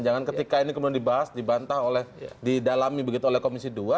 jangan ketika ini kemudian dibahas dibantah oleh didalami begitu oleh komisi dua